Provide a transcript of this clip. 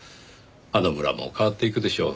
あの村も変わっていくでしょう。